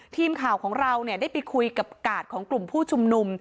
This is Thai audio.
ทีมข่าวของเราได้ไปคุยกับกาดของกลุ่มผู้ชุมนุม